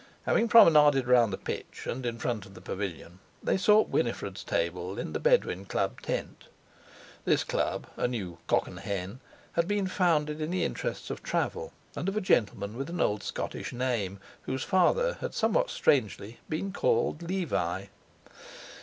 Having promenaded round the pitch and in front of the pavilion, they sought Winifred's table in the Bedouin Club tent. This Club—a new "cock and hen"—had been founded in the interests of travel, and of a gentleman with an old Scottish name, whose father had somewhat strangely been called Levi.